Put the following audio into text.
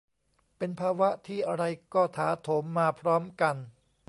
เป็นภาวะที่อะไรก็ถาโถมมาพร้อมกัน